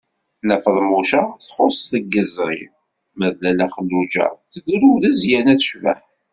Nna Feḍmuca txuṣṣ deg yiẓri, ma d Lalla Xelluǧa tegrurez yerna tecbeḥ.